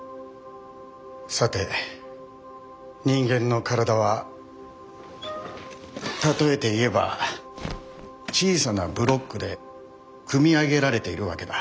さて人間の体は例えて言えば小さなブロックで組み上げられているわけだ。